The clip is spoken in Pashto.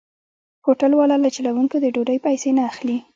هوټل والا له چلوونکو د ډوډۍ پيسې نه اخلي.